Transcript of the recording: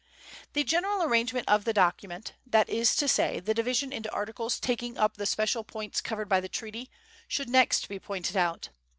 The general arrangement of the document, that is to say, the division into articles taking up the special points covered by the treaty, should next be pointed out.